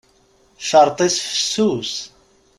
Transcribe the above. Ccerṭ-is fessus.